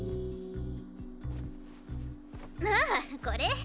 ああこれ？